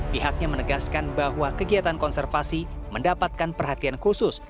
pihaknya menegaskan bahwa kegiatan konservasi mendapatkan perhatian khusus